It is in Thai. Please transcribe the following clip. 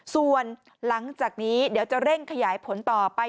ส่วนหลังจากนี้เดี๋ยวจะเร่งขยายผลต่อไป